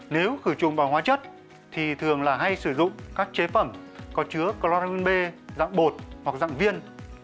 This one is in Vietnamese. nếu khử trùng bằng hóa chất thì thường là hay sử dụng các chế phẩm có chứa cloramine b dạng bột hoặc dạng viên